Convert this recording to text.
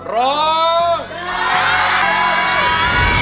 ร้องได้